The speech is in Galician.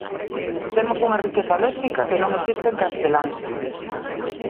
Temos unha riqueza léxica que non existe en castelán.